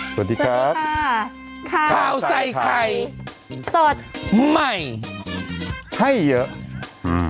สวัสดีครับค่ะข่าวใส่ไข่สดใหม่ให้เยอะอืม